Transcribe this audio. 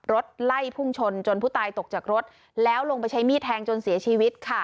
รถไล่พุ่งชนจนผู้ตายตกจากรถแล้วลงไปใช้มีดแทงจนเสียชีวิตค่ะ